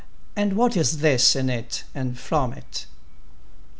and what is this in it and from it?